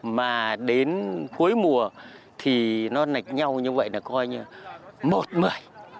mà đến cuối mùa thì nó nạch nhau như vậy là coi như là một một mươi